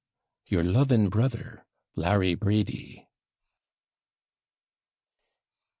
Your loving brother, LARRY BRADY.